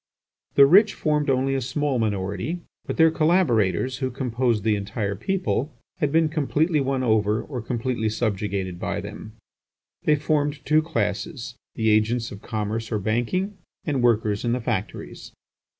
The rich formed only a small minority, but their collaborators, who composed the entire people, had been completely won over or completely subjugated by them. They formed two classes, the agents of commerce or banking, and workers in the factories.